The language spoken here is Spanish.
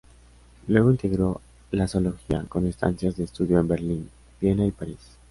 Luego integró la Zoología, con estancias de estudio en Berlín, Viena y París.